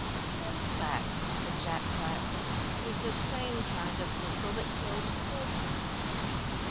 "In fact," said Jack quietly, "it is the same kind of pistol that killed Bulford."